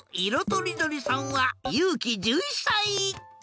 とりどりさんはゆうき１１さい。